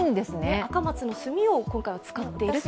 アカマツの炭を今回は使っていると。